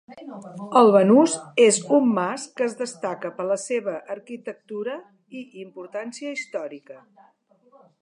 El Banús és un mas que es destaca per la seva arquitectura i importància històrica.